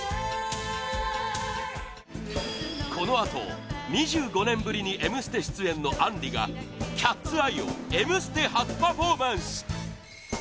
このあと２５年ぶりに「Ｍステ」出演の杏里が「ＣＡＴ’ＳＥＹＥ」を「Ｍステ」初パフォーマンス！